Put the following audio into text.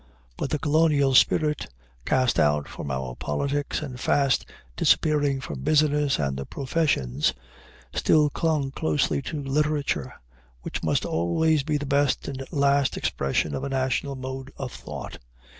But the colonial spirit, cast out from our politics and fast disappearing from business and the professions, still clung closely to literature, which must always be the best and last expression of a national mode of thought.